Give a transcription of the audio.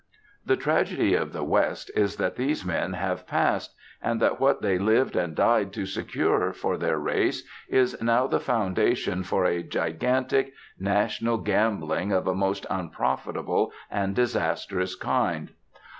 The tragedy of the West is that these men have passed, and that what they lived and died to secure for their race is now the foundation for a gigantic national gambling of a most unprofitable and disastrous kind.